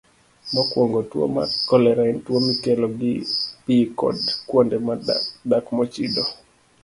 Mokwongo, tuwo mar kolera en tuwo mikelo gi pi kod kuonde dak mochido.